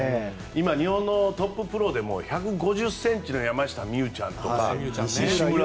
今、日本のトッププロでも１５０ｃｍの山下さんとか。